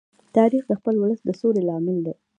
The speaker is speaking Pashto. تاریخ د خپل ولس د سولې لامل دی.